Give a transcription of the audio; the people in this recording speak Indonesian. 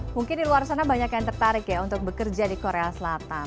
mungkin di luar sana banyak yang tertarik ya untuk bekerja di korea selatan